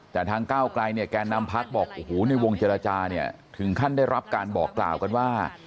แต่ทางก้าวไกลเนี่ยแกนนำพักบอกโอ้โหในวงเจรจาเนี่ยถึงขั้นได้รับการบอกกล่าวกันว่า